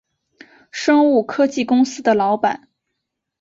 生物科技公司的老板